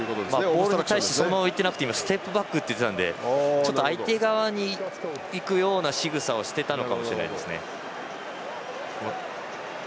ボールに対してそのまま行ってなくてステップバックと言っていたので相手側に行くようなしぐさをしていたかもしれません。